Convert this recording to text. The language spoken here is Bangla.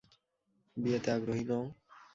বিয়েতে আগ্রহী নও?